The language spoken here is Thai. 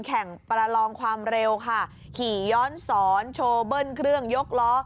ประลองความเร็วค่ะขี่ย้อนสอนโชว์เบิ้ลเครื่องยกล้อ